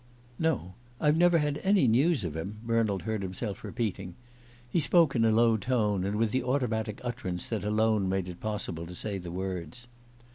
"No. I've never had any news of him," Bernald heard himself repeating. He spoke in a low tone, and with the automatic utterance that alone made it possible to say the words.